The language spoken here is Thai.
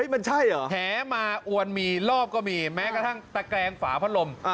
มันใช่เหรอแหมาอวนมีรอบก็มีแม้กระทั่งตะแกรงฝาพัดลม